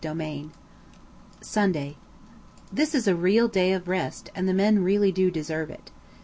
Sunday. This is a real day of rest, and the men really do deserve it.